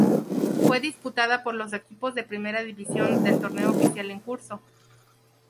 Fue disputada por los equipos de Primera División del torneo oficial en curso.